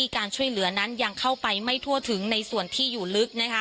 การช่วยเหลือนั้นยังเข้าไปไม่ทั่วถึงในส่วนที่อยู่ลึก